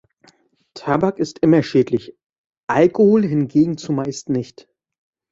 Tabak ist immer schädlich, Alkohol hingegen zumeist nicht.